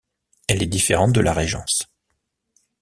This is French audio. Elle est différente de la régence.